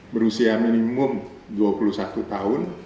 berusia minimum dua puluh satu tahun